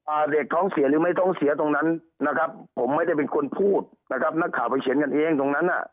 เด็กท้องเสียหรือไม่ท้องเสียตรงนั้นนะครับผมไม่ได้เป็นคนพูดนะครับนักข่าวไปเขียนกันเองตรงนั้นอ่ะ